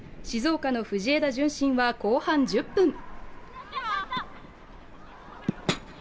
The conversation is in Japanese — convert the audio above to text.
静岡の藤枝順心は後半１０分。